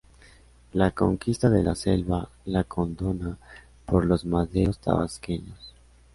La conquista de la Selva Lacandona por los madereros tabasqueños.